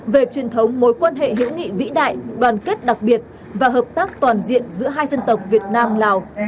về truyền thống mối quan hệ hữu nghị vĩ đại đoàn kết đặc biệt và hợp tác toàn diện giữa hai dân tộc việt nam lào